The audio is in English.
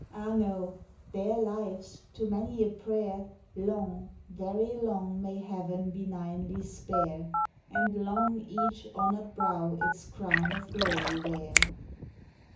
Ah no! their lives, to many a prayer, Long, very long, may Heaven benignly spare, And long each honoured brow its crown of glory wear.